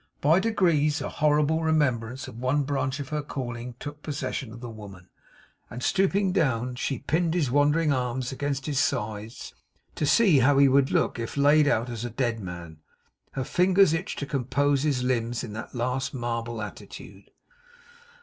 By degrees, a horrible remembrance of one branch of her calling took possession of the woman; and stooping down, she pinned his wandering arms against his sides, to see how he would look if laid out as a dead man. Her fingers itched to compose his limbs in that last marble attitude.